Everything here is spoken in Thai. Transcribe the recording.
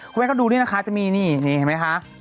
คุณแม่ก็ดูนี่นะคะจะมีนี่เห็นไหมคะ